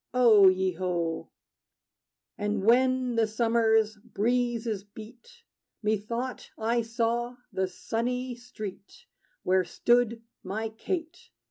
O ye ho! And when the summer's breezes beat, Methought I saw the sunny street Where stood my Kate.